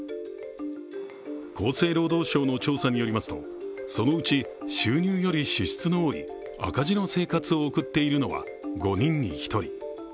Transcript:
厚生労働省の調査によりますとそのうち収入より支出の多い赤字の生活を送っているのは５人に１人。